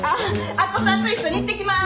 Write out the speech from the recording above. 明子さんと一緒に行ってきます。